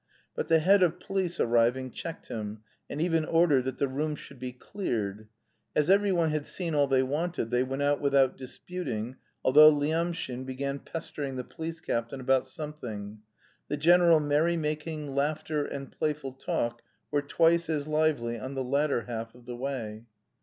But the head of police arriving checked him, and even ordered that the room should be cleared. As every one had seen all they wanted they went out without disputing, though Lyamshin began pestering the police captain about something. The general merrymaking, laughter, and playful talk were twice as lively on the latter half of the way.